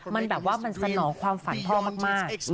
มันแบบว่ามันสนองความฝันพ่อมาก